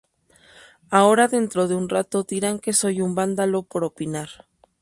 Ahora dentro de un rato dirán que soy un vándalo por opinar.